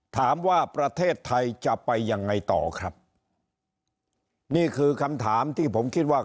ถามว่าประเทศไทยจะไปยังไงต่อครับนี่คือคำถามที่ผมคิดว่า